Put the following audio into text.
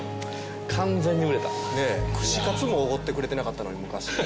完全に売れた串カツもおごってくれてなかったのに昔